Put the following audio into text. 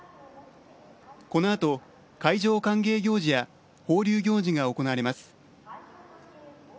このあと海上歓迎行事や放流行事が行われます。